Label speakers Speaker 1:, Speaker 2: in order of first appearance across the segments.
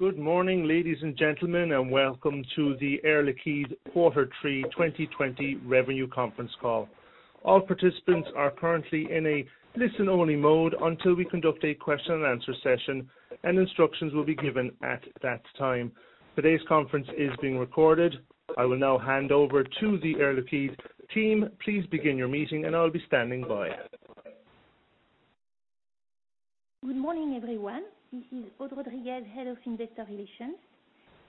Speaker 1: Good morning, ladies and gentlemen, and welcome to the Air Liquide Quarter Three 2020 Revenue Conference Call. All participants are currently in a listen-only mode until we conduct a question and answer session, and instructions will be given at that time. Today's conference is being recorded. I will now hand over to the Air Liquide team. Please begin your meeting and I'll be standing by.
Speaker 2: Good morning, everyone. This is Aude Rodriguez, Head of Investor Relations.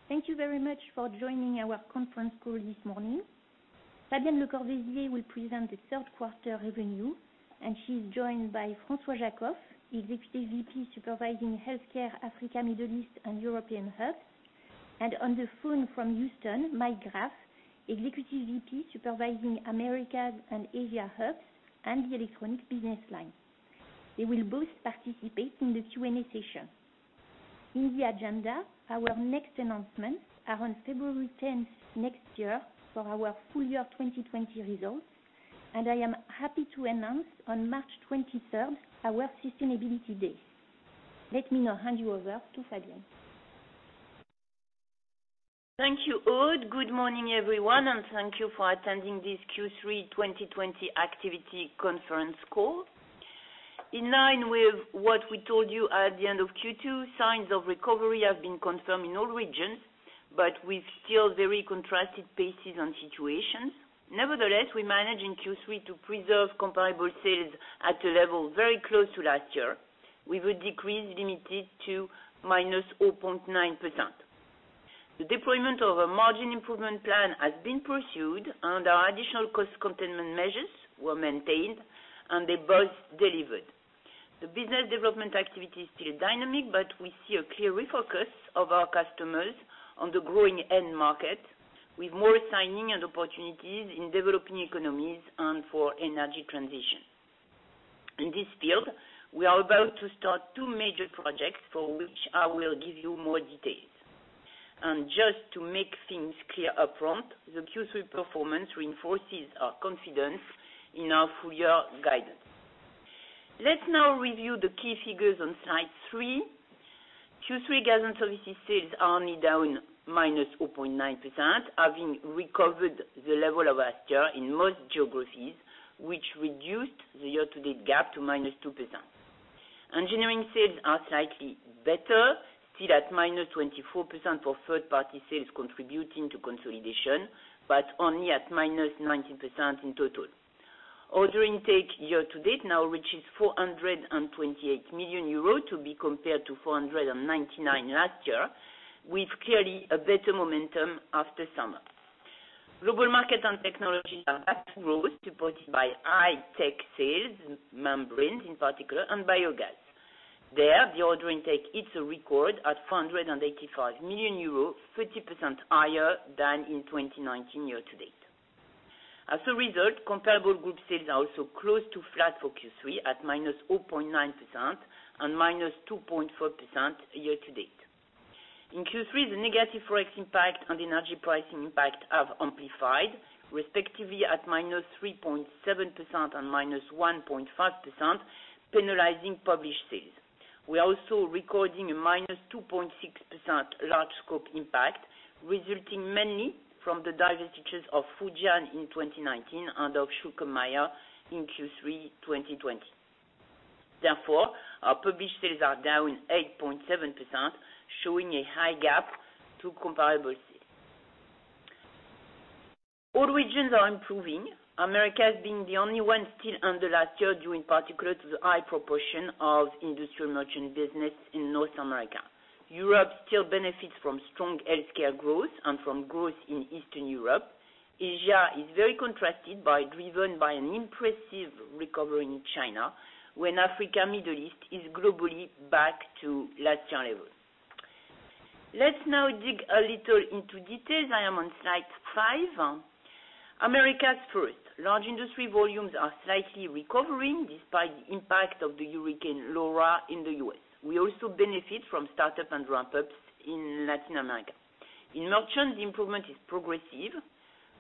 Speaker 2: Thank you very much for joining our conference call this morning. Fabienne Lecorvaisier will present the third quarter revenue, and she's joined by François Jackow, Executive VP Supervising Healthcare Africa, Middle East, and European Hub, and on the phone from Houston, Mike Graff, Executive VP Supervising Americas and Asia Hubs and the Electronics business line. They will both participate in the Q&A session. In the agenda, our next announcements are on February 10th next year for our full year 2020 results, and I am happy to announce on March 23rd, our Sustainability Day. Let me now hand you over to Fabienne.
Speaker 3: Thank you, Aude. Good morning, everyone, and thank you for attending this Q3 2020 activity Conference Call. In line with what we told you at the end of Q2, signs of recovery have been confirmed in all regions, but with still very contrasted paces and situations. Nevertheless, we managed in Q3 to preserve comparable sales at a level very close to last year, with a decrease limited to -0.9%. The deployment of a margin improvement plan has been pursued and our additional cost containment measures were maintained, and they both delivered. The business development activity is still dynamic, but we see a clear refocus of our customers on the growing end market, with more signing and opportunities in developing economies and for energy transition. In this field, we are about to start two major projects for which I will give you more details. Just to make things clear up front, the Q3 performance reinforces our confidence in our full-year guidance. Let's now review the key figures on slide three. Q3 gas and services sales are only down -0.9%, having recovered the level of last year in most geographies, which reduced the year-to-date gap to -2%. Engineering sales are slightly better, still at -24% for third-party sales contributing to consolidation, but only at -19% in total. Order intake year-to-date now reaches 428 million euros to be compared to 499 million last year, with clearly a better momentum after summer. Global market and technologies are back growth, supported by high-tech sales, membranes in particular, and biogas. There, the order intake hits a record at 485 million euros, 30% higher than in 2019 year-to-date. As a result, comparable group sales are also close to flat for Q3 at -0.9% and -2.4% year-to-date. In Q3, the negative Forex impact and energy pricing impact have amplified, respectively at -3.7% and -1.5%, penalizing published sales. We're also recording a -2.6% large scope impact, resulting mainly from the divestitures of Fujian in 2019 and of Schülke & Mayr in Q3 2020. Our published sales are down 8.7%, showing a high gap to comparable sales. All regions are improving. Americas being the only one still under last year, due in particular to the high proportion of industrial merchant business in North America. Europe still benefits from strong healthcare growth and from growth in Eastern Europe. Asia is very contrasted, driven by an impressive recovery in China, when Africa, Middle East is globally back to last year level. Let's now dig a little into details. I am on slide five. Americas first. Large industry volumes are slightly recovering despite the impact of Hurricane Laura in the U.S. We also benefit from startup and ramp-ups in Latin America. In merchant, the improvement is progressive.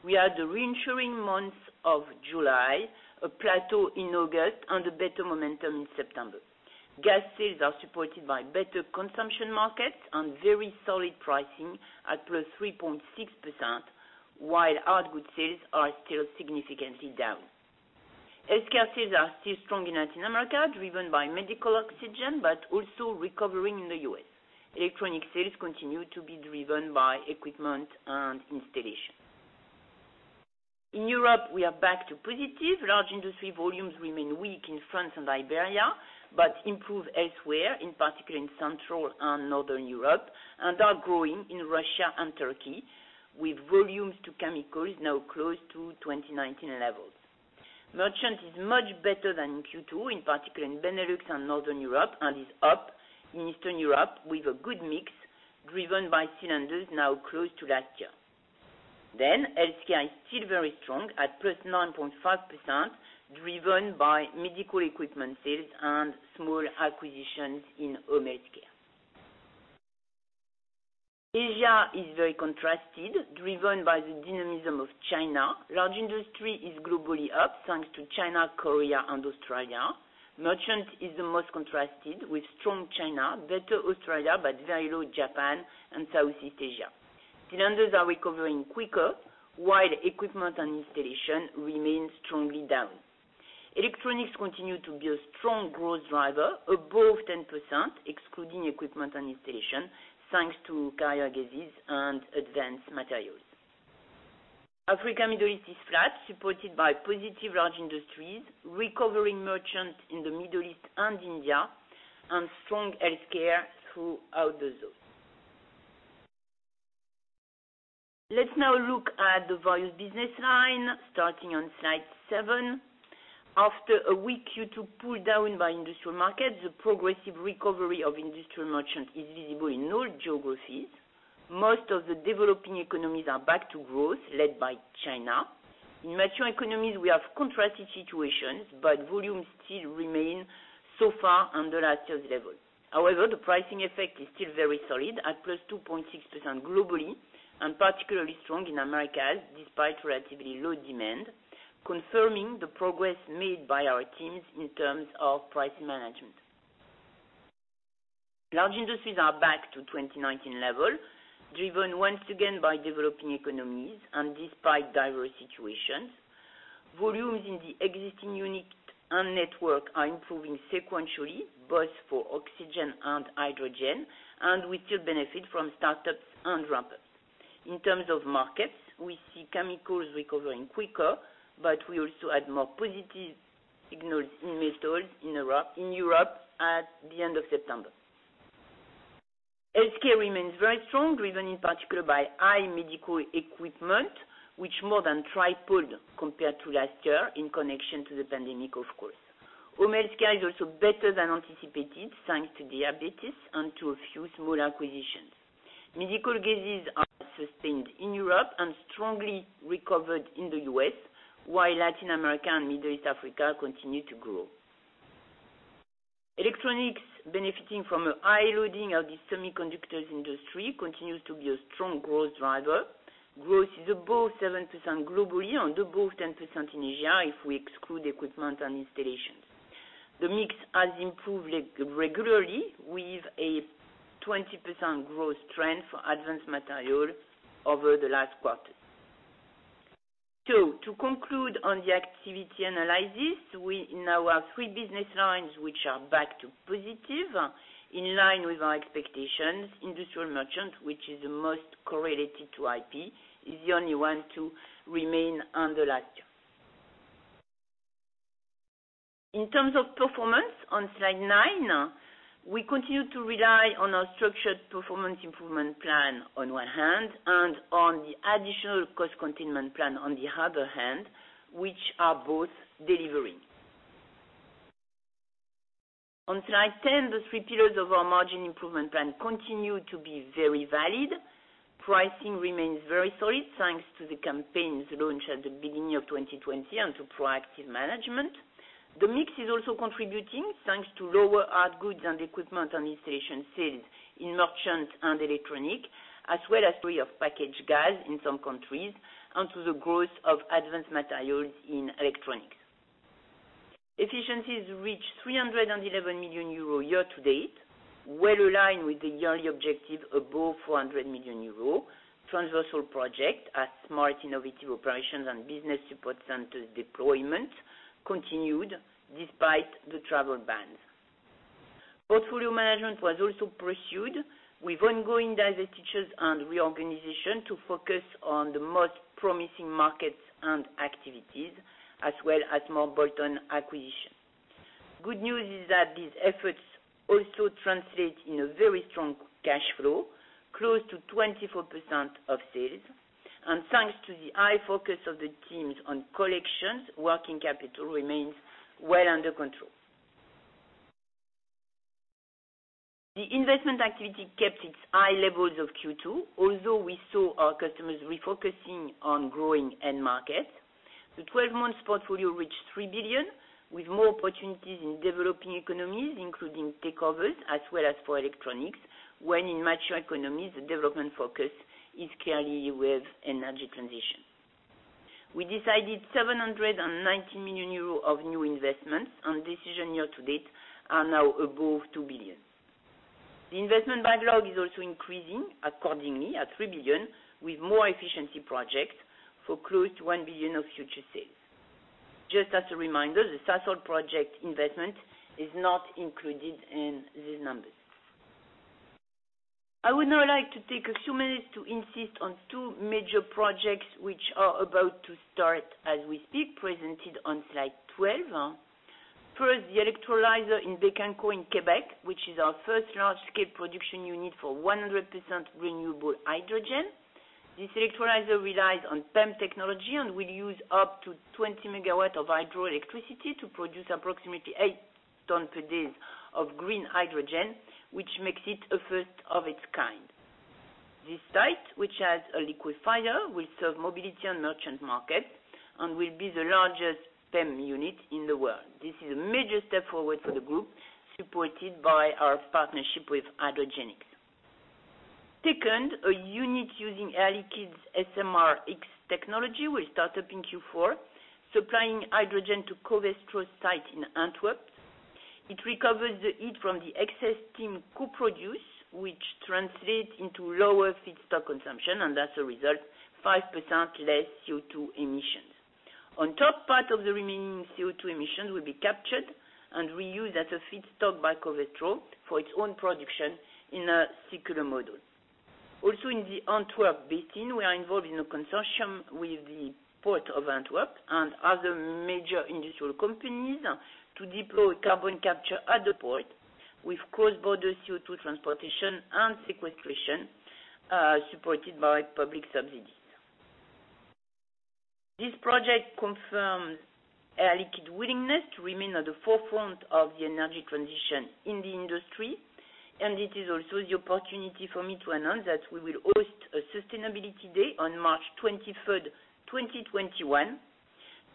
Speaker 3: We had the reassuring months of July, a plateau in August, and a better momentum in September. Gas sales are supported by better consumption markets and very solid pricing at +3.6%, while hard goods sales are still significantly down. Healthcare sales are still strong in Latin America, driven by medical oxygen, but also recovering in the U.S. Electronic sales continue to be driven by equipment and installation. In Europe, we are back to positive. Large industry volumes remain weak in France and Iberia, but improve elsewhere, in particular in Central and Northern Europe, and are growing in Russia and Turkey, with volumes to chemicals now close to 2019 levels. Merchant is much better than in Q2, in particular in Benelux and Northern Europe, and is up in Eastern Europe with a good mix driven by cylinders now close to last year. Healthcare is still very strong at +9.5%, driven by medical equipment sales and small acquisitions in home healthcare. Asia is very contrasted, driven by the dynamism of China. Large Industry is globally up, thanks to China, Korea, and Australia. Merchant is the most contrasted, with strong China, better Australia, but very low Japan and Southeast Asia. Cylinders are recovering quicker, while equipment and installation remain strongly down. Electronics continue to be a strong growth driver, above 10%, excluding equipment and installation, thanks to carrier gases and advanced materials. Africa, Middle East is flat, supported by positive Large Industries, recovering Merchants in the Middle East and India, and strong Healthcare throughout the zone. Let's now look at the various business lines, starting on slide seven. After a weak Q2 pulled down by industrial markets, the progressive recovery of industrial merchant is visible in all geographies. Most of the developing economies are back to growth, led by China. In mature economies, we have contrasted situations, volumes still remain so far on the last year's level. The pricing effect is still very solid, at plus 2.6% globally and particularly strong in Americas, despite relatively low demand, confirming the progress made by our teams in terms of price management. Large industries are back to 2019 level, driven once again by developing economies and despite diverse situations. Volumes in the existing unit and network are improving sequentially, both for oxygen and hydrogen, we still benefit from startups and ramp-ups. In terms of markets, we see chemicals recovering quicker, but we also had more positive signals in methanol in Europe at the end of September. Healthcare remains very strong, driven in particular by high medical equipment, which more than tripled compared to last year in connection to the pandemic, of course. Home healthcare is also better than anticipated, thanks to diabetes and to a few small acquisitions. Medical gases are sustained in Europe and strongly recovered in the U.S., while Latin America and Middle East, Africa continue to grow. Electronics benefiting from a high loading of the semiconductors industry continues to be a strong growth driver. Growth is above 7% globally and above 10% in Asia if we exclude equipment and installations. The mix has improved regularly, with a 20% growth trend for advanced materials over the last quarter. To conclude on the activity analysis, we now have three business lines which are back to positive, in line with our expectations. Industrial merchant, which is the most correlated to IP, is the only one to remain on the latter. In terms of performance, on slide nine, we continue to rely on our structured performance improvement plan on one hand, and on the additional cost containment plan on the other hand, which are both delivering. On slide 10, the three pillars of our margin improvement plan continue to be very valid. Pricing remains very solid, thanks to the campaigns launched at the beginning of 2020 and to proactive management. The mix is also contributing, thanks to lower hard goods and equipment, and installation sales in merchant and Electronics, as well as free of packaged gas in some countries, and to the growth of advanced materials in Electronics. Efficiencies reached 311 million euro year to date, well aligned with the yearly objective above 400 million euro. Transversal project at Smart Innovative Operations and business support centers deployment continued despite the travel bans. Portfolio management was also pursued with ongoing divestitures and reorganization to focus on the most promising markets and activities, as well as more bolt-on acquisition. Good news is that these efforts also translate in a very strong cash flow, close to 24% of sales. Thanks to the high focus of the teams on collections, working capital remains well under control. The investment activity kept its high levels of Q2, although we saw our customers refocusing on growing end markets. The 12 months portfolio reached 3 billion, with more opportunities in developing economies, including takeovers as well as for electronics. While in mature economies, the development focus is clearly with energy transition. We decided 790 million euros of new investments, and decision year to date are now above 2 billion. The investment backlog is also increasing accordingly at 3 billion, with more efficiency projects for close to 1 billion of future sales. Just as a reminder, the Sasol project investment is not included in these numbers. I would now like to take a few minutes to insist on two major projects which are about to start as we speak, presented on slide 12. First, the electrolyzer in Bécancour in Québec, which is our first large-scale production unit for 100% renewable hydrogen. This electrolyzer relies on PEM technology and will use up to 20 MW of hydroelectricity to produce approximately 8 tons per day of green hydrogen, which makes it a first of its kind. This site, which has a liquefier, will serve mobility and merchant market. It will be the largest PEM unit in the world. This is a major step forward for the group, supported by our partnership with Hydrogenics. Second, a unit using Air Liquide's SMR-X technology will start up in Q4, supplying hydrogen to Covestro site in Antwerp. It recovers the heat from the excess steam co-produce, which translates into lower feedstock consumption, and as a result, 5% less CO2 emissions. On top, part of the remaining CO2 emissions will be captured and reused as a feedstock by Covestro for its own production in a circular model. Also in the Antwerp basin, we are involved in a consortium with the port of Antwerp and other major industrial companies to deploy carbon capture at the port, with cross-border CO2 transportation and sequestration, supported by public subsidies. This project confirms Air Liquide willingness to remain at the forefront of the energy transition in the industry. It is also the opportunity for me to announce that we will host a sustainability day on March 23rd, 2021,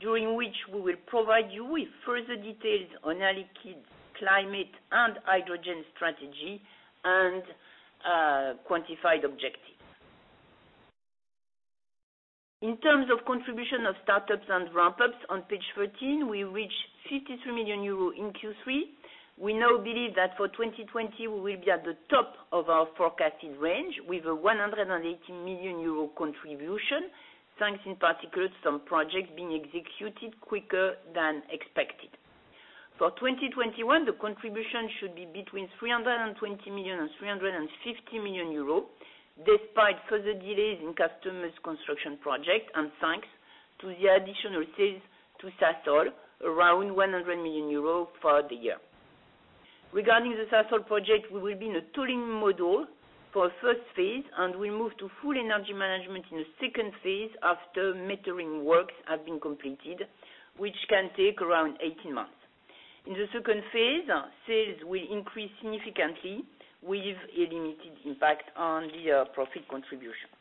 Speaker 3: during which we will provide you with further details on Air Liquide's climate and hydrogen strategy and quantified objectives. In terms of contribution of startups and ramp-ups on page 13, we reached 53 million euros in Q3. We now believe that for 2020, we will be at the top of our forecasted range, with a 180 million euro contribution, thanks in particular to some projects being executed quicker than expected. For 2021, the contribution should be between 320 million and 350 million euros, despite further delays in customers' construction project, and thanks to the additional sales to Sasol, around 100 million euros for the year. Regarding the Sasol project, we will be in a tolling model for first phase, and we move to full energy management in the second phase after metering works have been completed, which can take around 18 months. In the second phase, sales will increase significantly with a limited impact on the profit contribution.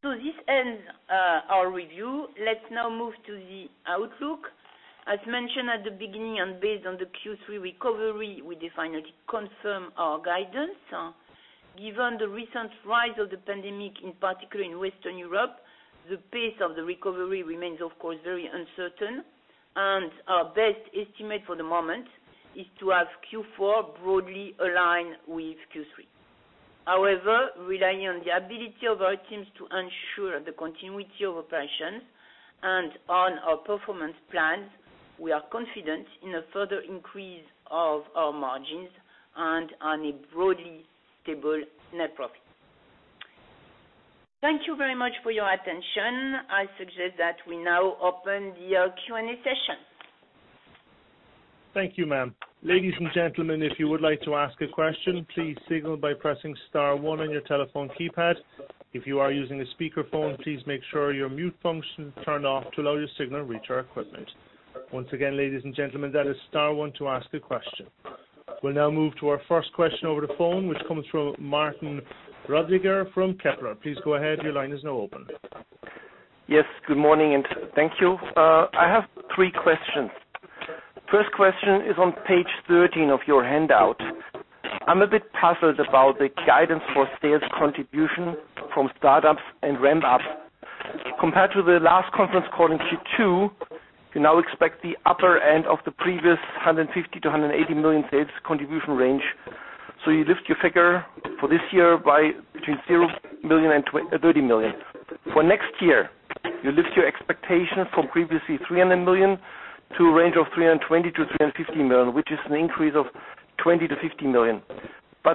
Speaker 3: This ends our review. Let's now move to the outlook. As mentioned at the beginning and based on the Q3 recovery, we definitely confirm our guidance. Given the recent rise of the pandemic, in particular in Western Europe, the pace of the recovery remains, of course, very uncertain, and our best estimate for the moment is to have Q4 broadly aligned with Q3. However, relying on the ability of our teams to ensure the continuity of operations and on our performance plans, we are confident in a further increase of our margins and on a broadly stable net profit. Thank you very much for your attention. I suggest that we now open the Q&A session.
Speaker 1: Thank you, ma'am. Ladies and gentlemen, if you would like to ask a question, please signal by pressing star one on your telephone keypad. If you are using a speakerphone, please make sure your mute function is turned off to allow your signal to reach our equipment. Once again, ladies and gentlemen, that is star one to ask a question. We'll now move to our first question over the phone, which comes from Martin Rödiger from Kepler. Please go ahead. Your line is now open.
Speaker 4: Yes. Good morning, and thank you. I have three questions. First question is on page 13 of your handout. I am a bit puzzled about the guidance for sales contribution from startups and ramp-up. Compared to the last conference call in Q2, you now expect the upper end of the previous 150 million-180 million sales contribution range. You lift your figure for this year by between 0 million and 30 million. For next year, you lift your expectation from previously 300 million to a range of 320 million-350 million, which is an increase of 20 million-50 million.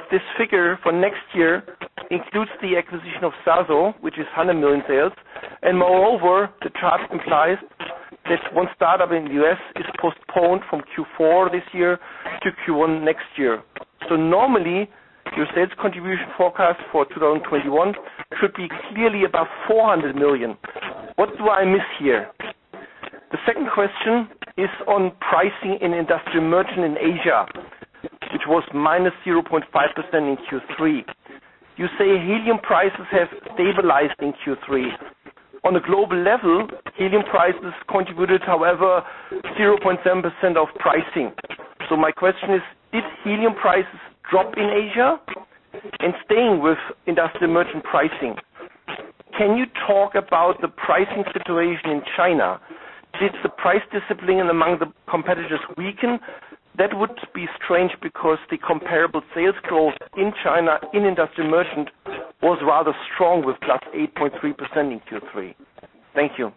Speaker 4: This figure for next year includes the acquisition of Sasol, which is 100 million sales. Moreover, the chart implies this one startup in the U.S. is postponed from Q4 this year to Q1 next year. Normally, your sales contribution forecast for 2021 should be clearly above 400 million. What do I miss here? The second question is on pricing in industrial merchant in Asia, which was -0.5% in Q3. You say helium prices have stabilized in Q3. On a global level, helium prices contributed, however, 0.7% of pricing. My question is, did helium prices drop in Asia? Staying with industrial merchant pricing, can you talk about the pricing situation in China? Did the price discipline among the competitors weaken? That would be strange because the comparable sales growth in China in industrial merchant was rather strong with +8.3% in Q3. Thank you.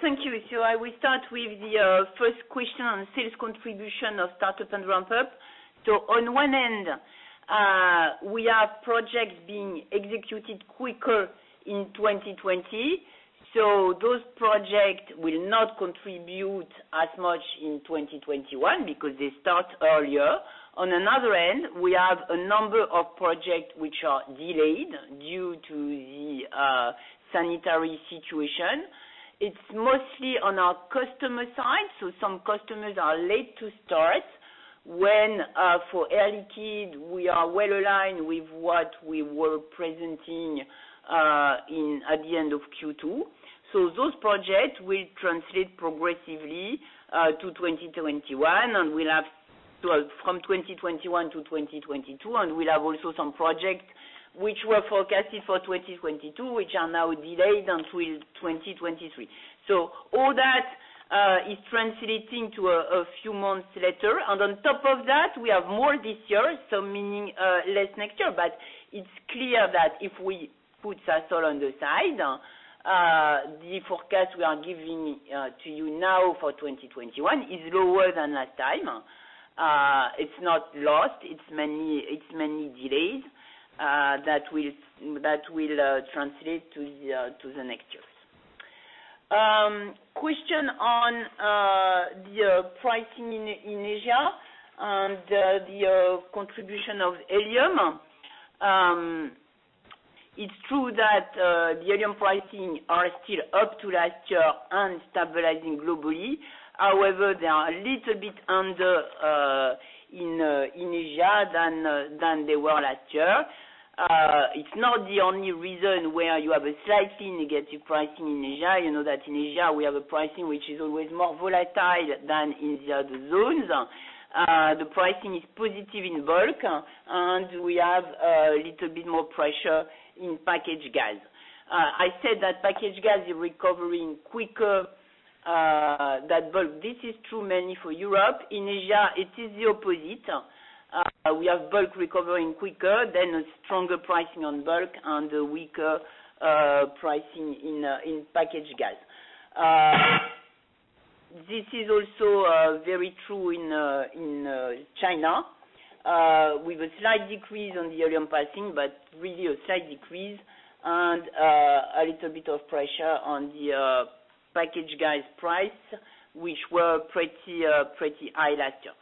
Speaker 3: Thank you. I will start with the first question on sales contribution of startup and ramp-up. On one end, we have projects being executed quicker in 2020. Those projects will not contribute as much in 2021 because they start earlier. On another end, we have a number of projects which are delayed due to the sanitary situation. It's mostly on our customer side, so some customers are late to start. When for Air Liquide, we are well aligned with what we were presenting at the end of Q2. Those projects will translate progressively to 2021 and from 2021 to 2022, and we'll have also some projects which were forecasted for 2022, which are now delayed until 2023. All that is translating to a few months later. On top of that, we have more this year, so meaning less next year. It's clear that if we put Sasol on the side, the forecast we are giving to you now for 2021 is lower than last time. It's not lost, it's mainly delayed. That will translate to the next years. Question on the pricing in Asia and the contribution of helium. It's true that the helium pricing are still up to last year and stabilizing globally. However, they are a little bit under in Asia than they were last year. It's not the only reason where you have a slightly negative pricing in Asia. You know that in Asia we have a pricing which is always more volatile than in the other zones. The pricing is positive in bulk, and we have a little bit more pressure in packaged gas. I said that packaged gas is recovering quicker than bulk. This is true mainly for Europe. In Asia, it is the opposite. We have bulk recovering quicker, then a stronger pricing on bulk and a weaker pricing in packaged gas. This is also very true in China, with a slight decrease on the helium pricing, but really a slight decrease and a little bit of pressure on the packaged gas price, which were pretty high last year.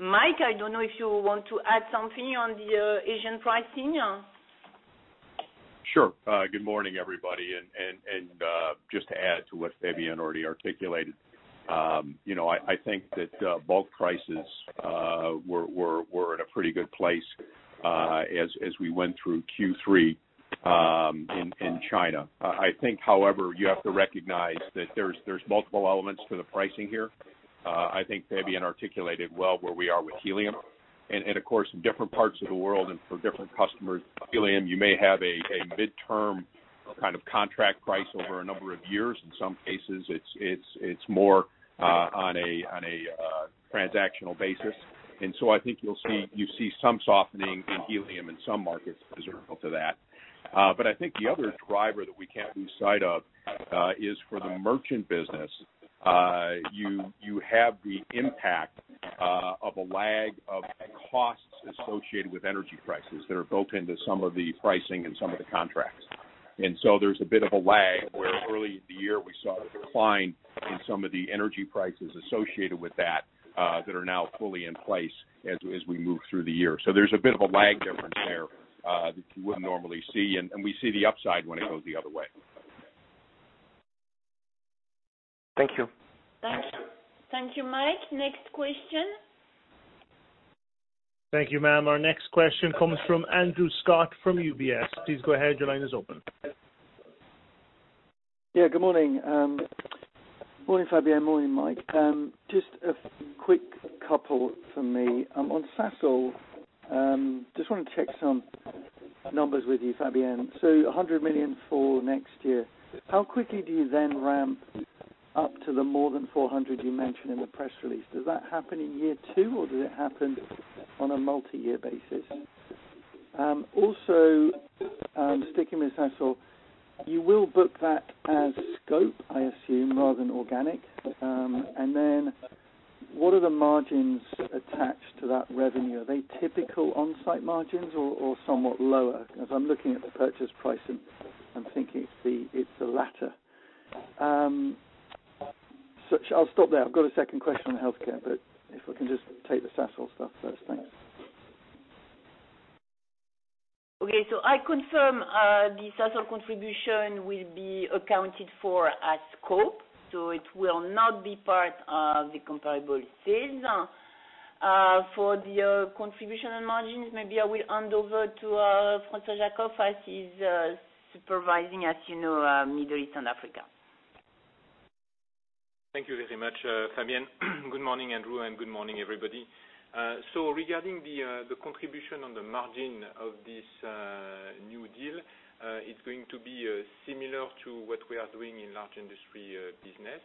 Speaker 3: Mike, I don't know if you want to add something on the Asian pricing?
Speaker 5: Sure. Good morning, everybody. Just to add to what Fabienne already articulated. I think that bulk prices were in a pretty good place as we went through Q3 in China. I think, however, you have to recognize that there's multiple elements to the pricing here. I think Fabienne articulated well where we are with helium, and of course, in different parts of the world and for different customers. Helium, you may have a midterm kind of contract price over a number of years. In some cases, it's more on a transactional basis. I think you see some softening in helium in some markets as a result of that. I think the other driver that we can't lose sight of is for the merchant business. You have the impact of a lag of costs associated with energy prices that are built into some of the pricing and some of the contracts. There's a bit of a lag where early in the year we saw a decline in some of the energy prices associated with that that are now fully in place as we move through the year. There's a bit of a lag difference there that you wouldn't normally see, and we see the upside when it goes the other way.
Speaker 4: Thank you.
Speaker 3: Thank you, Mike. Next question.
Speaker 1: Thank you, ma'am. Our next question comes from Andrew Stott from UBS. Please go ahead. Your line is open.
Speaker 6: Good morning. Morning, Fabienne. Morning, Mike. A quick couple from me. Sasol, want to check some numbers with you, Fabienne. 100 million for next year. How quickly do you ramp up to the more than 400 million you mentioned in the press release? Does that happen in year two, or does it happen on a multi-year basis? Sticking with Sasol, you will book that as scope, I assume, rather than organic. What are the margins attached to that revenue? Are they typical onsite margins or somewhat lower? I'm looking at the purchase price, I'm thinking it's the latter. I'll stop there. I've got a second question on healthcare, if we can take the Sasol stuff first. Thanks.
Speaker 3: Okay, I confirm the Sasol contribution will be accounted for as scope. It will not be part of the comparable sales. For the contribution and margins, maybe I will hand over to François Jackow, as he's supervising, as you know, Middle East and Africa.
Speaker 7: Thank you very much, Fabienne. Good morning, Andrew, good morning, everybody. Regarding the contribution on the margin of this new deal, it's going to be similar to what we are doing in large industry business,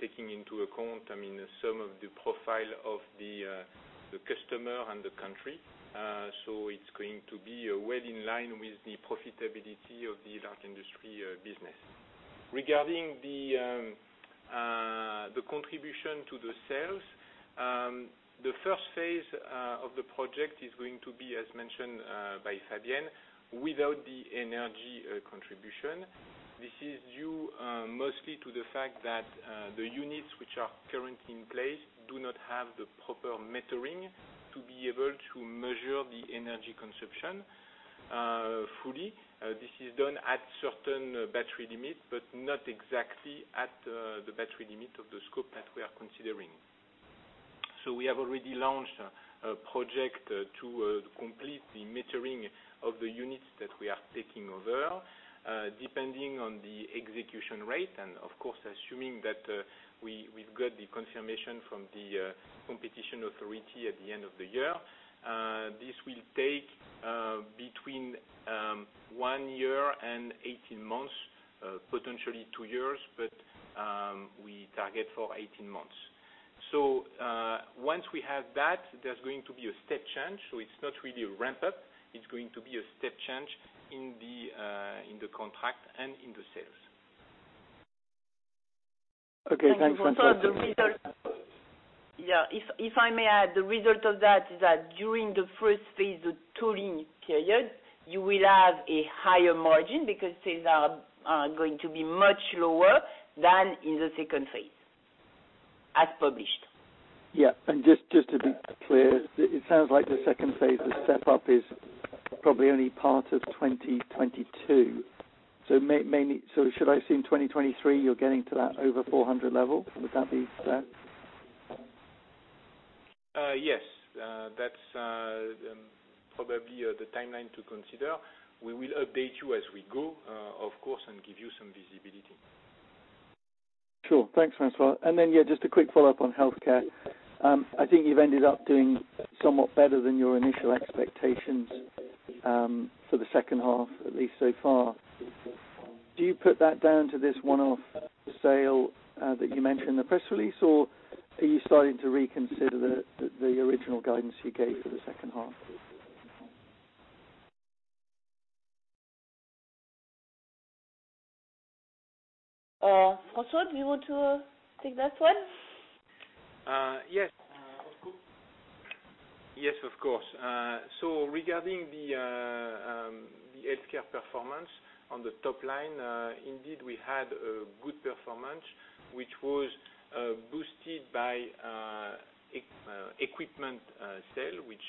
Speaker 7: taking into account some of the profile of the customer and the country. It's going to be well in line with the profitability of the large industry business. Regarding the contribution to the sales, the first phase of the project is going to be, as mentioned by Fabienne, without the energy contribution. This is due mostly to the fact that the units which are currently in place do not have the proper metering to be able to measure the energy consumption fully. This is done at certain battery limit, not exactly at the battery limit of the scope that we are considering. We have already launched a project to complete the metering of the units that we are taking over, depending on the execution rate, and of course, assuming that we've got the confirmation from the competition authority at the end of the year. This will take between one year and 18 months, potentially two years, but we target for 18 months. Once we have that, there's going to be a step change. It's not really a ramp-up. It's going to be a step change in the contract and in the sales.
Speaker 6: Okay, thanks François.
Speaker 3: Also, Yeah, if I may add, the result of that is that during the first phase, the tolling period, you will have a higher margin because sales are going to be much lower than in the second phase, as published.
Speaker 6: Yeah. Just to be clear, it sounds like the phase II, the step-up is probably only part of 2022. Should I assume 2023, you're getting to that over 400 level? Would that be fair?
Speaker 7: Yes. That's probably the timeline to consider. We will update you as we go, of course, and give you some visibility.
Speaker 6: Sure. Thanks, François. Yeah, just a quick follow-up on healthcare. I think you've ended up doing somewhat better than your initial expectations, for the second half, at least so far. Do you put that down to this one-off sale that you mentioned in the press release, or are you starting to reconsider the original guidance you gave for the second half?
Speaker 3: François, do you want to take that one?
Speaker 7: Yes, of course. Regarding the healthcare performance on the top line, indeed we had a good performance, which was boosted by equipment sale, which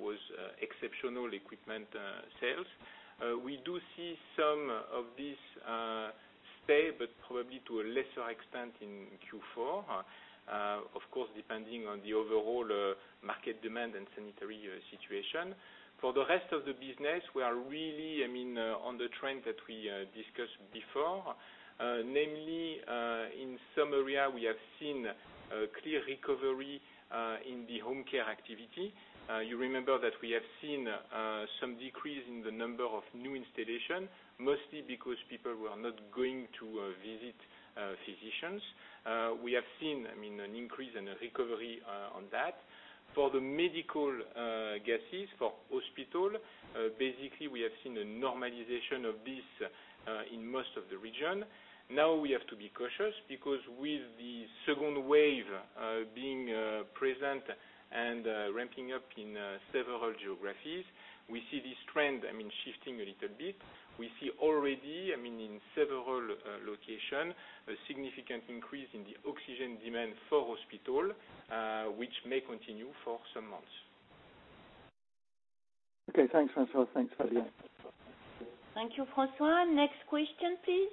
Speaker 7: was exceptional equipment sales. We do see some of this stay, but probably to a lesser extent in Q4. Of course, depending on the overall market demand and sanitary situation. For the rest of the business, we are really on the trend that we discussed before. Namely, in some area, we have seen a clear recovery in the home care activity. You remember that we have seen some decrease in the number of new installation, mostly because people were not going to visit physicians. We have seen an increase and a recovery on that. For the medical gases for hospital, basically, we have seen a normalization of this in most of the region. We have to be cautious because with the second wave being present and ramping up in several geographies, we see this trend shifting a little bit. We see already, in several locations, a significant increase in the oxygen demand for hospitals, which may continue for some months.
Speaker 6: Okay, thanks, François. Thanks, Fabienne.
Speaker 3: Thank you, François. Next question, please.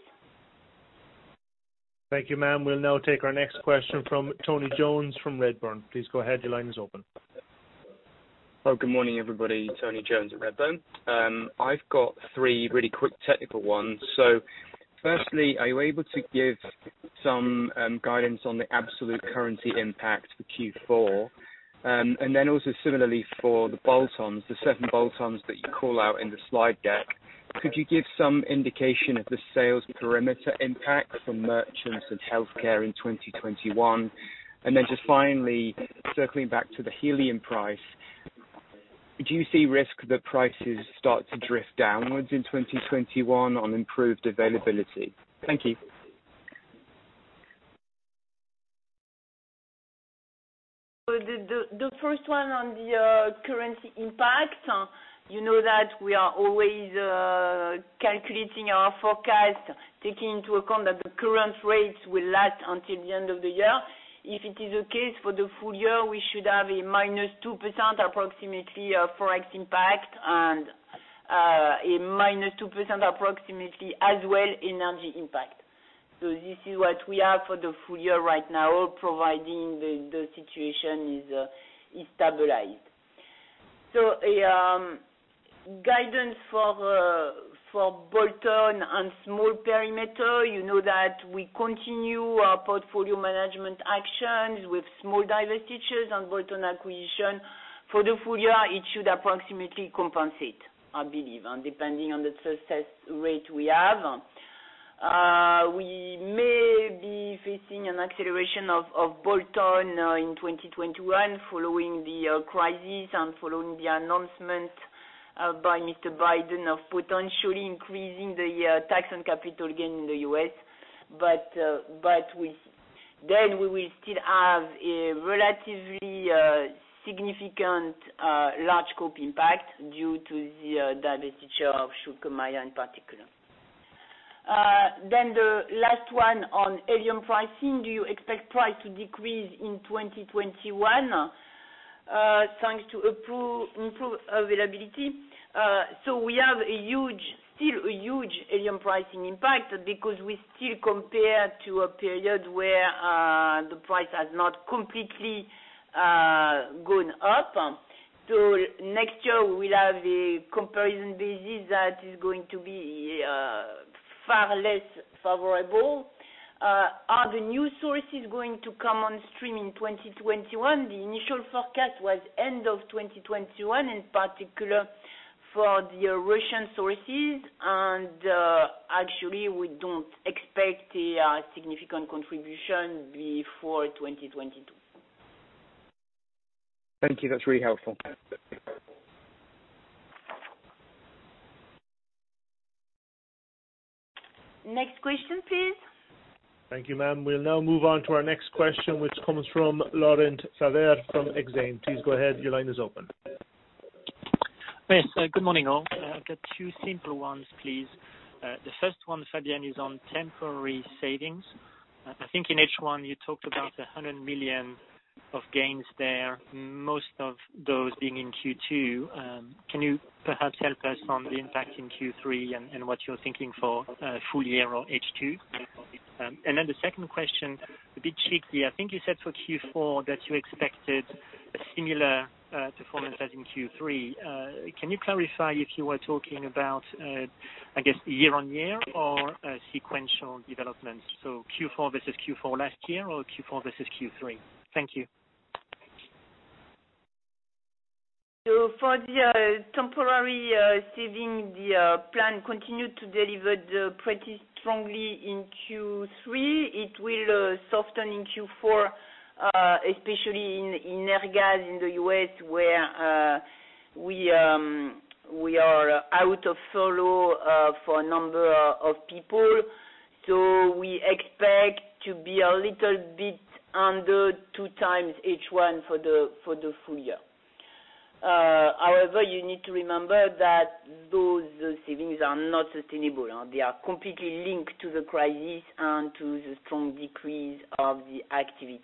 Speaker 1: Thank you, ma'am. We'll now take our next question from Tony Jones from Redburn. Please go ahead. Your line is open.
Speaker 8: Hello, good morning, everybody. Tony Jones at Redburn. I have got three really quick technical ones. Firstly, are you able to give some guidance on the absolute currency impact for Q4? Then also similarly for the bolt-ons, the seven bolt-ons that you call out in the slide deck, could you give some indication of the sales perimeter impact from merchants and healthcare in 2021? Then just finally circling back to the helium price, do you see risk that prices start to drift downwards in 2021 on improved availability? Thank you.
Speaker 3: The first one on the currency impact. You know that we are always calculating our forecast, taking into account that the current rates will last until the end of the year. If it is the case for the full year, we should have a -2% approximately FOREX impact and a -2% approximately as well energy impact. This is what we have for the full year right now, providing the situation is stabilized. Guidance for bolt-on and small perimeter. You know that we continue our portfolio management actions with small divestitures and bolt-on acquisition. For the full year, it should approximately compensate, I believe, and depending on the success rate we have. We may be facing an acceleration of bolt-on in 2021 following the crisis and following the announcement by Mr. Biden of potentially increasing the tax on capital gain in the U.S. We will still have a relatively significant large scope impact due to the divestiture of Schülke & Mayr in particular. The last one on helium pricing, do you expect price to decrease in 2021 thanks to improved availability? We have still a huge helium pricing impact because we still compare to a period where the price has not completely gone up. Next year, we'll have a comparison basis that is going to be far less favorable. Are the new sources going to come on stream in 2021? The initial forecast was end of 2021, in particular for the Russian sources. Actually, we don't expect a significant contribution before 2022.
Speaker 8: Thank you. That's really helpful.
Speaker 3: Next question, please.
Speaker 1: Thank you, ma'am. We'll now move on to our next question, which comes from Laurent Favre from Exane. Please go ahead. Your line is open.
Speaker 9: Yes. Good morning, all. I've got two simple ones, please. The first one, Fabienne, is on temporary savings. I think in H1 you talked about 100 million of gains there, most of those being in Q2. Can you perhaps help us on the impact in Q3 and what you're thinking for full year or H2? Then the second question, a bit cheeky, I think you said for Q4 that you expected a similar performance as in Q3. Can you clarify if you were talking about, I guess, year-on-year or sequential development, so Q4 versus Q4 last year, or Q4 versus Q3? Thank you.
Speaker 3: For the temporary savings, the plan continued to deliver pretty strongly in Q3. It will soften in Q4, especially in Airgas in the U.S., where we are out of furlough for a number of people. We expect to be a little bit under 2x H1 for the full year. However, you need to remember that those savings are not sustainable. They are completely linked to the crisis and to the strong decrease of the activity.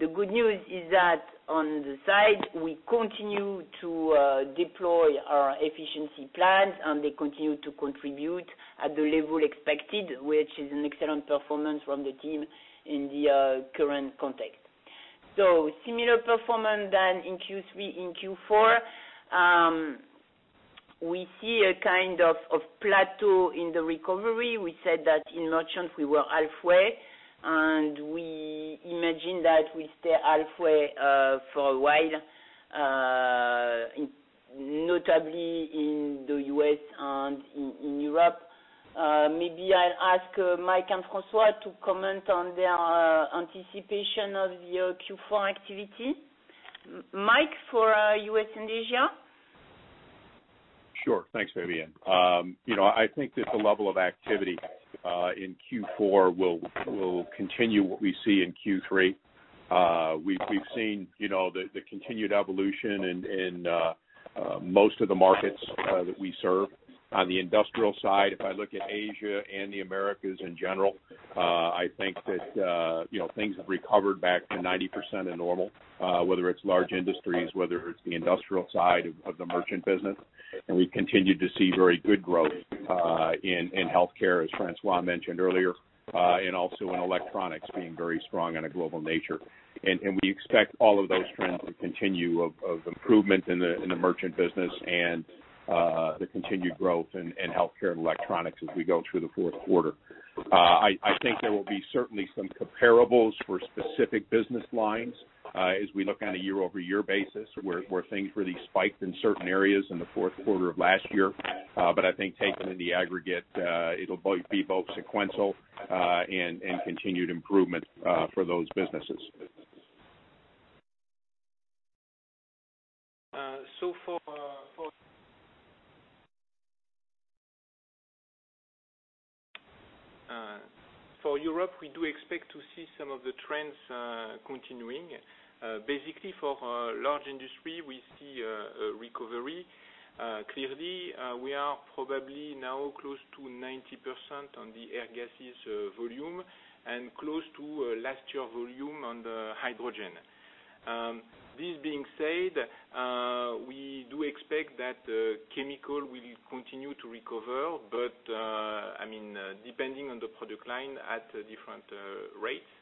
Speaker 3: The good news is that on the side, we continue to deploy our efficiency plans, and they continue to contribute at the level expected, which is an excellent performance from the team in the current context. Similar performance than in Q3 and Q4. We see a kind of plateau in the recovery. We said that in merchant we were halfway, and we imagine that we stay halfway for a while, notably in the U.S. and in Europe. Maybe I'll ask Mike and François to comment on their anticipation of the Q4 activity. Mike, for U.S. and Asia.
Speaker 5: Sure. Thanks, Fabienne. I think that the level of activity in Q4 will continue what we see in Q3. We've seen the continued evolution in most of the markets that we serve. On the industrial side, if I look at Asia and the Americas in general, I think that things have recovered back to 90% of normal, whether it's large industries, whether it's the industrial side of the merchant business. We continue to see very good growth in healthcare, as François mentioned earlier, and also in electronics being very strong on a global nature. We expect all of those trends to continue of improvement in the merchant business and the continued growth in healthcare and electronics as we go through the fourth quarter. I think there will be certainly some comparables for specific business lines as we look on a year-over-year basis, where things really spiked in certain areas in the fourth quarter of last year. I think taken in the aggregate, it'll be both sequential and continued improvement for those businesses.
Speaker 7: For Europe, we do expect to see some of the trends continuing. Basically, for large industry, we see a recovery. Clearly, we are probably now close to 90% on the air gases volume and close to last year volume on the hydrogen. This being said, we do expect that chemical will continue to recover, but depending on the product line at different rates.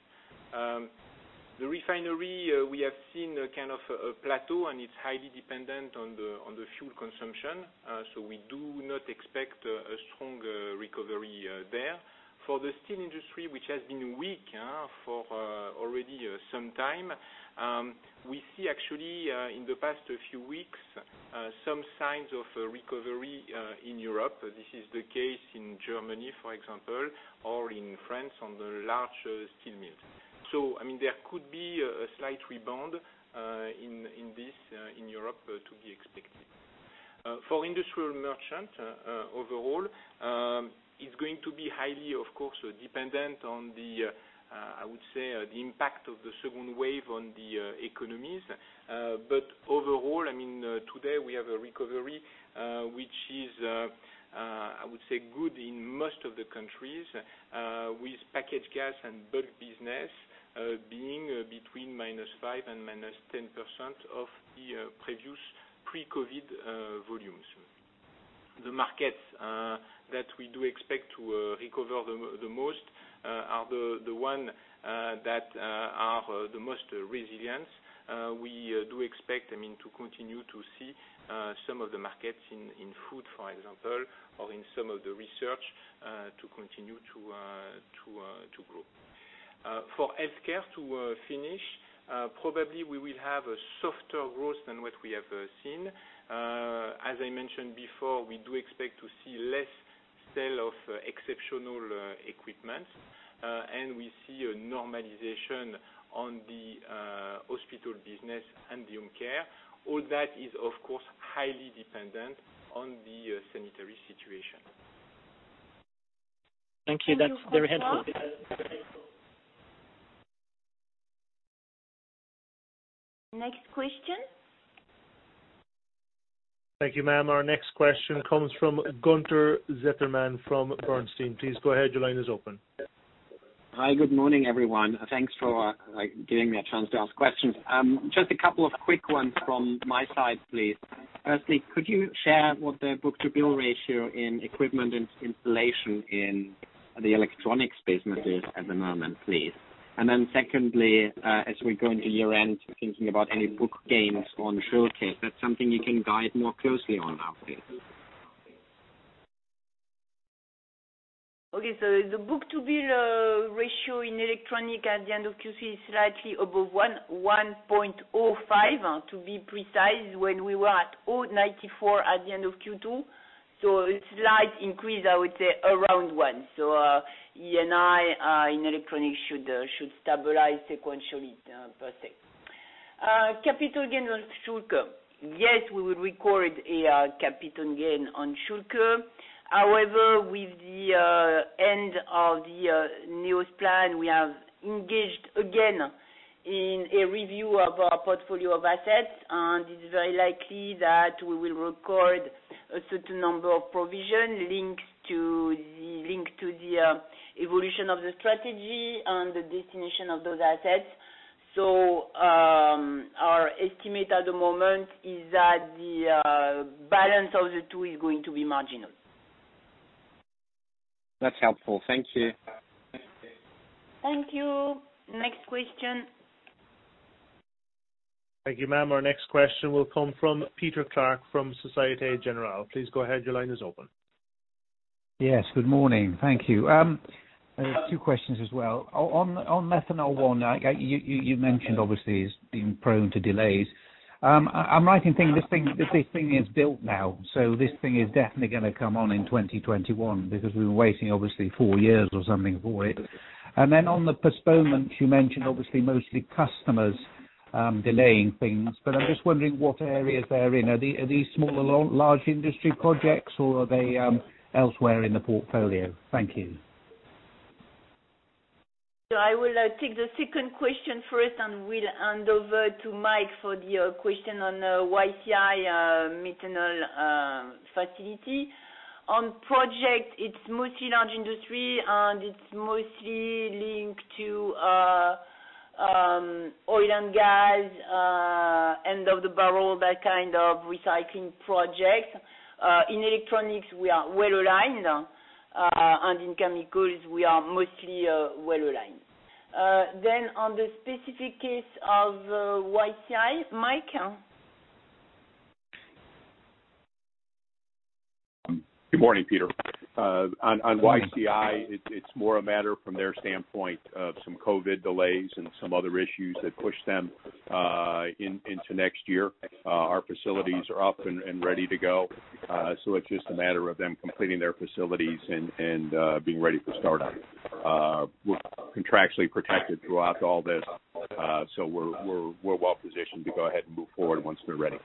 Speaker 7: The refinery, we have seen a kind of a plateau, and it's highly dependent on the fuel consumption. We do not expect a strong recovery there. For the steel industry, which has been weak for already some time, we see actually, in the past few weeks, some signs of recovery in Europe. This is the case in Germany, for example, or in France on the large steel mills. There could be a slight rebound in this in Europe to be expected. For industrial merchant overall, it's going to be highly, of course, dependent on the, I would say, the impact of the second wave on the economies. Overall, today we have a recovery which is, I would say, good in most of the countries, with packaged gas and bulk business being between -5% and -10% of the previous pre-COVID volumes. The markets that we do expect to recover the most are the ones that are the most resilient. We do expect to continue to see some of the markets in food, for example, or in some of the research to continue to grow. For healthcare, to finish, probably we will have a softer growth than what we have seen. As I mentioned before, we do expect to see less sale of exceptional equipment, and we see a normalization on the hospital business and the home care. All that is, of course, highly dependent on the sanitary situation.
Speaker 9: Thank you. That's very helpful.
Speaker 3: Thank you for your question. Next question.
Speaker 1: Thank you, ma'am. Our next question comes from Gunther Zechmann from Bernstein. Please go ahead. Your line is open.
Speaker 10: Hi. Good morning, everyone. Thanks for giving me a chance to ask questions. Just a couple of quick ones from my side, please. Firstly, could you share what the book-to-bill ratio in equipment and installation in the Electronics & Instrumentation is at the moment, please? Secondly, as we go into year-end, thinking about any book gains on Schülke, that's something you can guide more closely on our business.
Speaker 3: Okay. The book-to-bill ratio in electronic at the end of Q3 is slightly above 1.05 to be precise, when we were at 0.94 at the end of Q2. It's slight increase, I would say, around one. E&I in electronic should stabilize sequentially per se. Capital gains on Schülke. Yes, we would record a capital gain on Schülke. However, with the end of the new plan, we have engaged again in a review of our portfolio of assets, and it's very likely that we will record a certain number of provision linked to the evolution of the strategy and the destination of those assets. Our estimate at the moment is that the balance of the two is going to be marginal.
Speaker 10: That's helpful. Thank you.
Speaker 3: Thank you. Next question.
Speaker 1: Thank you, ma'am. Our next question will come from Peter Clark from Société Générale. Please go ahead. Your line is open.
Speaker 11: Yes, good morning. Thank you. I have two questions as well. On Methanol one, you mentioned obviously it's been prone to delays. I might think this thing is built now. This thing is definitely going to come on in 2021 because we've been waiting obviously four years or something for it. On the postponement, you mentioned obviously mostly customers delaying things. I'm just wondering what areas they're in. Are these small or large industry projects, or are they elsewhere in the portfolio? Thank you.
Speaker 7: I will take the second question first and will hand over to Mike for the question on YCI methanol facility. On project, it's mostly large industry, and it's mostly linked to oil and gas, end of the barrel, that kind of recycling project. In electronics, we are well aligned, and in chemicals, we are mostly well aligned. On the specific case of YCI, Mike?
Speaker 5: Good morning, Peter. On YCI, it's more a matter from their standpoint of some COVID delays and some other issues that push them into next year. Our facilities are up and ready to go. It's just a matter of them completing their facilities and being ready for startup. We're contractually protected throughout all this, so we're well positioned to go ahead and move forward once they're ready.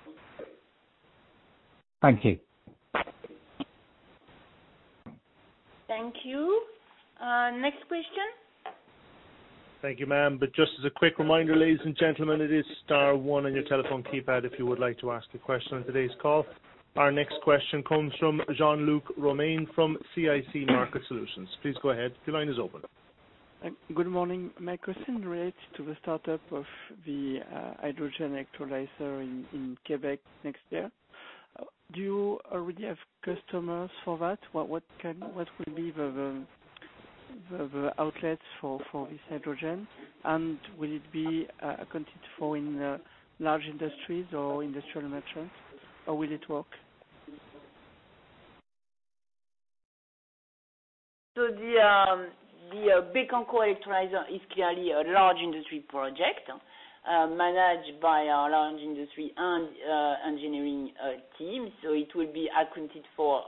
Speaker 11: Thank you.
Speaker 3: Thank you. Next question.
Speaker 1: Thank you, ma'am. Just as a quick reminder, ladies and gentlemen, it is star one on your telephone keypad if you would like to ask a question on today's call. Our next question comes from Jean-Luc Romain from CIC Market Solutions. Please go ahead. Your line is open.
Speaker 12: Good morning. My question relates to the startup of the hydrogen electrolyzer in Québec next year. Do you already have customers for that? What will be the outlets for this hydrogen? Will it be accounted for in large industries or industrial merchant, or will it work?
Speaker 3: The Bécancour electrolyzer is clearly a large industry project, managed by our large industry and engineering team. It will be accounted for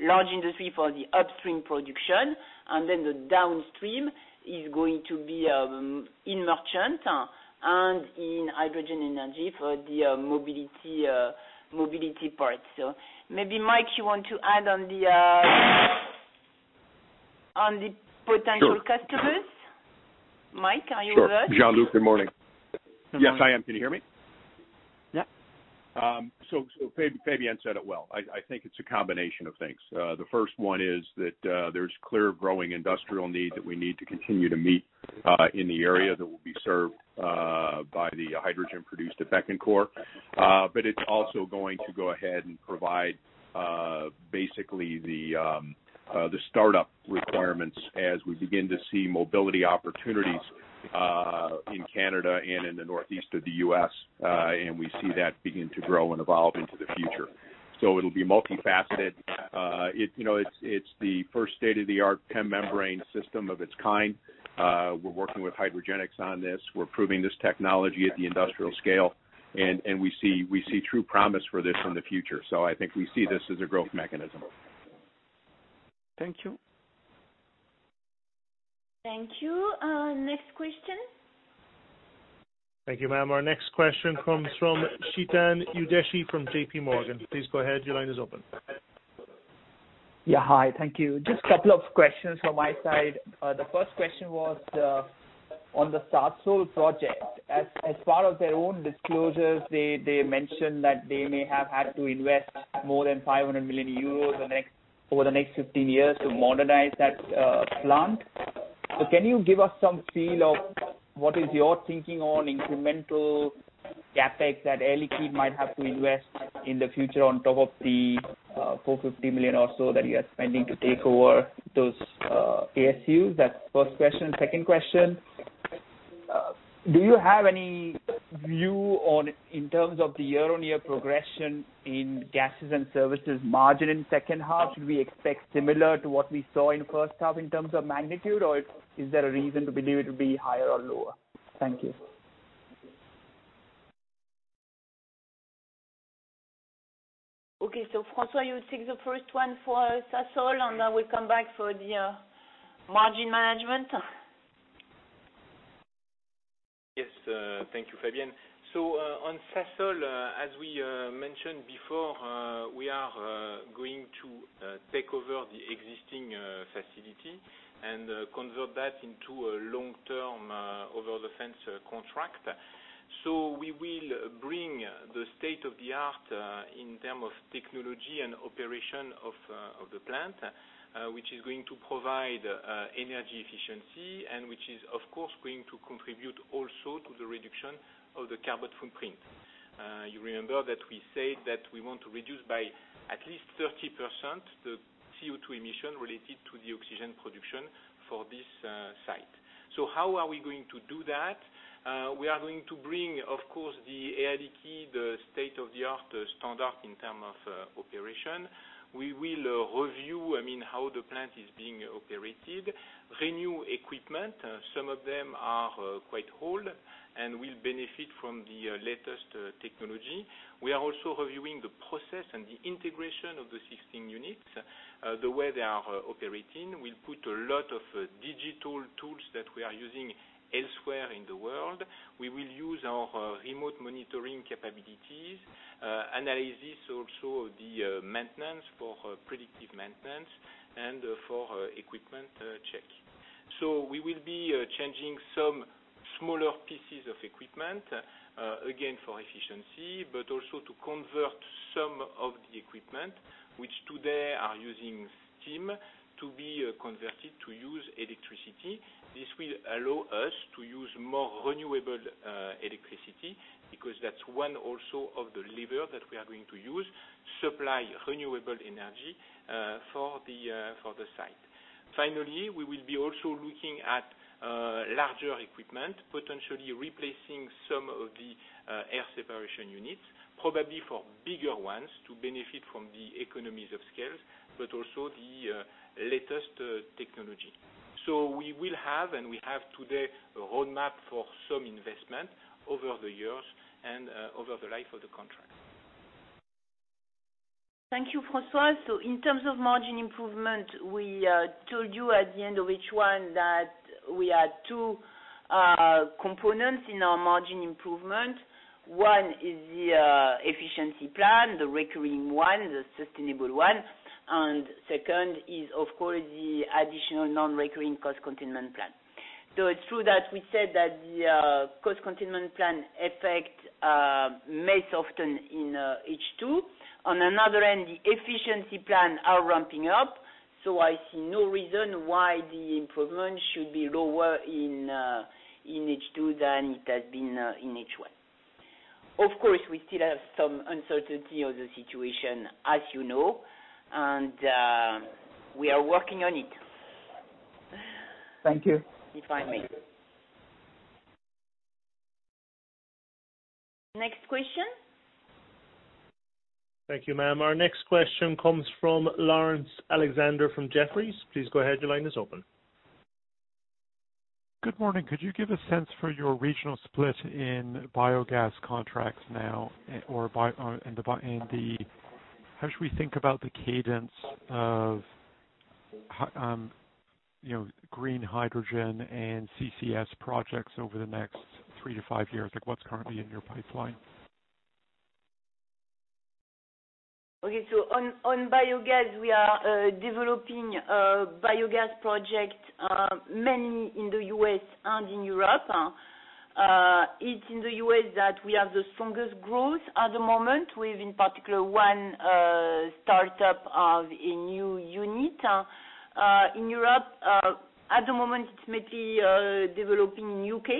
Speaker 3: large industry for the upstream production, and then the downstream is going to be in merchant and in hydrogen energy for the mobility part. Maybe, Mike, you want to add on the-- on the potential customers? Mike, are you with us?
Speaker 5: Sure. Jean-Luc, good morning. Good morning. Yes, I am. Can you hear me?
Speaker 12: Yeah.
Speaker 5: Fabienne said it well. I think it's a combination of things. The first one is that there's clear growing industrial need that we need to continue to meet in the area that will be served by the hydrogen produced at Bécancour. It's also going to go ahead and provide basically the startup requirements as we begin to see mobility opportunities, in Canada and in the northeast of the U.S., and we see that begin to grow and evolve into the future. It'll be multifaceted. It's the first state-of-the-art PEM membrane system of its kind. We're working with Hydrogenics on this. We're proving this technology at the industrial scale, and we see true promise for this in the future. I think we see this as a growth mechanism.
Speaker 12: Thank you.
Speaker 3: Thank you. Next question.
Speaker 1: Thank you, ma'am. Our next question comes from Chetan Udeshi from JPMorgan. Please go ahead. Your line is open.
Speaker 13: Yeah. Hi. Thank you. Just couple of questions from my side. The first question was, on the Sasol project. As part of their own disclosures, they mentioned that they may have had to invest more than 500 million euros over the next 15 years to modernize that plant. Can you give us some feel of what is your thinking on incremental CapEx that Air Liquide might have to invest in the future on top of the 450 million or so that you are spending to take over those ASUs? That's the first question. Second question, do you have any view on, in terms of the year-on-year progression in gases and services margin in second half? Should we expect similar to what we saw in first half in terms of magnitude, or is there a reason to believe it'll be higher or lower? Thank you.
Speaker 3: Okay. François, you take the first one for Sasol, and we'll come back for the margin management.
Speaker 7: Yes. Thank you, Fabienne. On Sasol, as we mentioned before, we are going to take over the existing facility and convert that into a long-term over the fence contract. We will bring the state-of-the-art in terms of technology and operation of the plant, which is going to provide energy efficiency and which is, of course, going to contribute also to the reduction of the carbon footprint. You remember that we said that we want to reduce by at least 30% the CO2 emission related to the oxygen production for this site. How are we going to do that? We are going to bring, of course, the Air Liquide, the state-of-the-art standard in terms of operation. We will review how the plant is being operated, renew equipment. Some of them are quite old and will benefit from the latest technology. We are also reviewing the process and the integration of the existing units, the way they are operating. We'll put a lot of digital tools that we are using elsewhere in the world. We will use our remote monitoring capabilities, analysis also of the maintenance for predictive maintenance and for equipment check. So we will be changing some smaller pieces of equipment, again, for efficiency, but also to convert some of the equipment, which today are using steam to be converted to use electricity. This will allow us to use more renewable electricity, because that's one also of the lever that we are going to use, supply renewable energy for the site. Finally, we will be also looking at larger equipment, potentially replacing some of the air separation units, probably for bigger ones to benefit from the economies of scales, but also the latest technology. We will have, and we have today, a roadmap for some investment over the years and over the life of the contract.
Speaker 3: Thank you, François. In terms of margin improvement, we told you at the end of H1 that we had two components in our margin improvement. One is the efficiency plan, the recurring one, the sustainable one, and second is, of course, the additional non-recurring cost containment plan. It's true that we said that the cost containment plan effect may soften in H2. On another end, the efficiency plan are ramping up, so I see no reason why the improvement should be lower in H2 than it has been in H1. Of course, we still have some uncertainty of the situation, as you know, and we are working on it.
Speaker 13: Thank you.
Speaker 3: You're fine, mate. Next question.
Speaker 1: Thank you, ma'am. Our next question comes from Laurence Alexander from Jefferies. Please go ahead. Your line is open.
Speaker 14: Good morning. Could you give a sense for your regional split in biogas contracts now, and how should we think about the cadence of green hydrogen and CCS projects over the next three-five years? Like what's currently in your pipeline?
Speaker 3: Okay. On biogas, we are developing a biogas project, mainly in the U.S. and in Europe. It's in the U.S. that we have the strongest growth at the moment. We have, in particular, one startup of a new unit. In Europe, at the moment, it's mainly developing in the U.K.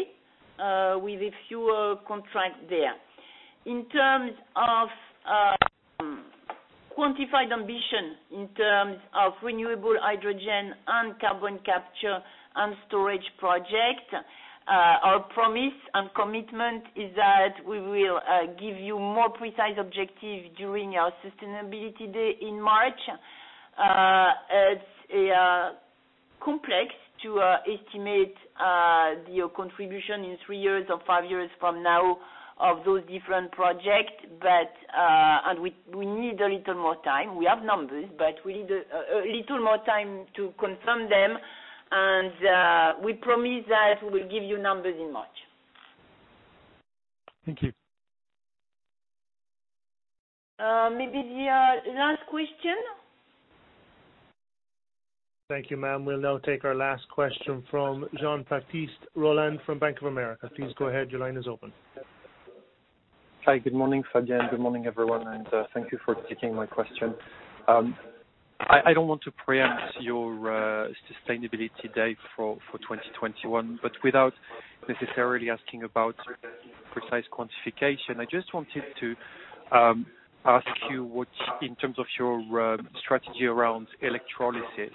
Speaker 3: with a few contracts there. In terms of quantified ambition, in terms of renewable hydrogen and carbon capture and storage projects, our promise and commitment is that we will give you more precise objectives during our sustainability day in March. It's complex to estimate your contribution in three years or five years from now of those different projects. We need a little more time. We have numbers. We need a little more time to confirm them. We promise that we will give you numbers in March.
Speaker 14: Thank you.
Speaker 3: Maybe the last question.
Speaker 1: Thank you, ma'am. We'll now take our last question from Jean-Baptiste Rolland from Bank of America. Please go ahead. Your line is open.
Speaker 15: Hi, good morning, Fabienne. Good morning, everyone. Thank you for taking my question. I don't want to preempt your sustainability day for 2021. Without necessarily asking about precise quantification, I just wanted to ask you in terms of your strategy around electrolysis.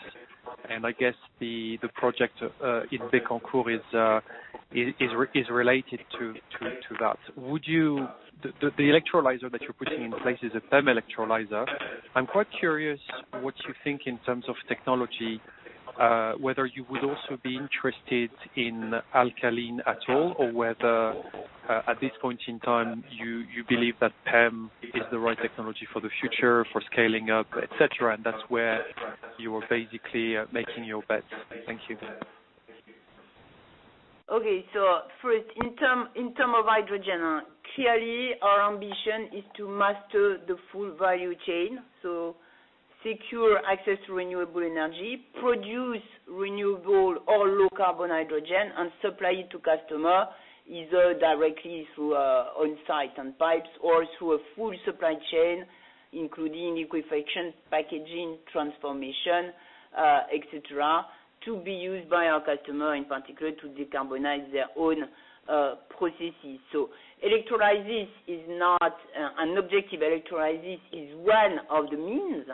Speaker 15: I guess the project in Bécancour is related to that. The electrolyzer that you're putting in place is a PEM electrolyzer. I'm quite curious what you think in terms of technology, whether you would also be interested in alkaline at all. Whether at this point in time, you believe that PEM is the right technology for the future, for scaling up, et cetera. That's where you are basically making your bets. Thank you.
Speaker 3: Okay. First, in term of hydrogen, clearly our ambition is to master the full value chain. Secure access to renewable energy, produce renewable or low carbon hydrogen, and supply it to customer, either directly through on-site and pipes or through a full supply chain, including liquefaction, packaging, transformation, et cetera, to be used by our customer, in particular, to decarbonize their own processes. Electrolysis is not an objective. Electrolysis is one of the means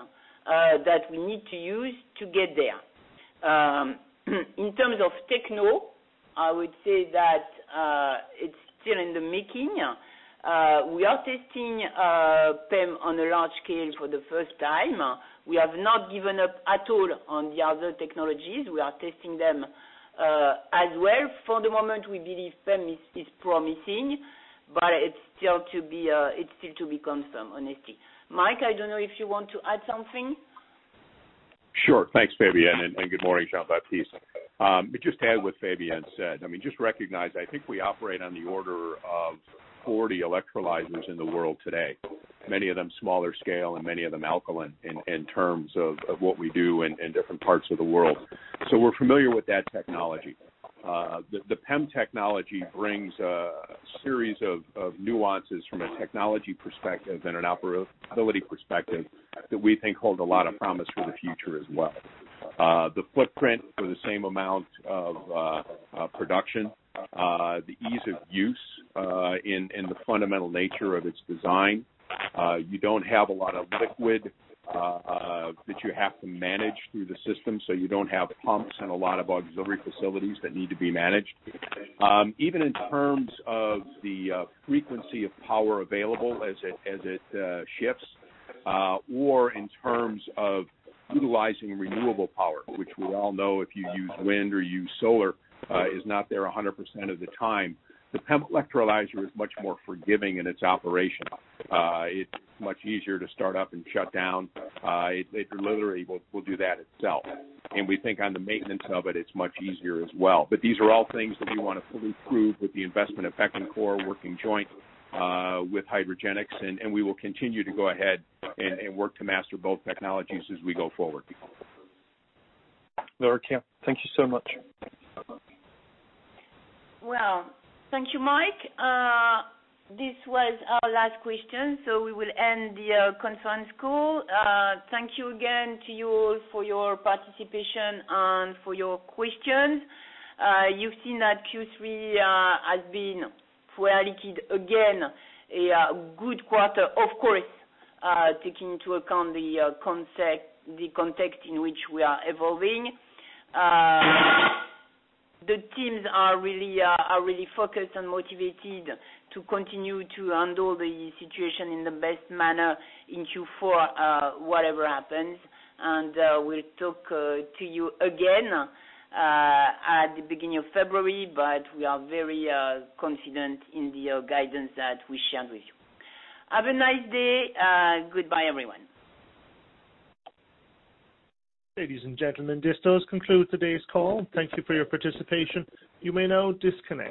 Speaker 3: that we need to use to get there. In terms of techno, I would say that it's still in the making. We are testing PEM on a large scale for the first time. We have not given up at all on the other technologies. We are testing them as well. For the moment, we believe PEM is promising, but it's still to be confirmed, honestly. Mike, I don't know if you want to add something?
Speaker 5: Sure. Thanks, Fabienne, and good morning, Jean-Baptiste. Just to add what Fabienne said, just recognize, I think we operate on the order of 40 electrolyzers in the world today. Many of them smaller scale, and many of them alkaline in terms of what we do in different parts of the world. We're familiar with that technology. The PEM technology brings a series of nuances from a technology perspective and an operability perspective that we think hold a lot of promise for the future as well, the footprint for the same amount of production, the ease of use in the fundamental nature of its design. You don't have a lot of liquid that you have to manage through the system, so you don't have pumps and a lot of auxiliary facilities that need to be managed. Even in terms of the frequency of power available as it shifts, or in terms of utilizing renewable power. Which we all know if you use wind or use solar, is not there 100% of the time. The PEM electrolyzer is much more forgiving in its operation. It's much easier to start up and shut down. It literally will do that itself, and we think on the maintenance of it's much easier as well. These are all things that we want to fully prove with the investment at Bécancour, working joint with Hydrogenics, and we will continue to go ahead and work to master both technologies as we go forward.
Speaker 15: Okay. Thank you so much.
Speaker 3: Thank you, Mike. This was our last question, so we will end the conference call. Thank you again to you all for your participation and for your questions. You've seen that Q3 has been for Air Liquide, again, a good quarter, of course, taking into account the context in which we are evolving. The teams are really focused and motivated to continue to handle the situation in the best manner in Q4, whatever happens. We'll talk to you again at the beginning of February, but we are very confident in the guidance that we shared with you. Have a nice day. Goodbye, everyone.
Speaker 1: Ladies and gentlemen, this does conclude today's call. Thank you for your participation. You may now disconnect.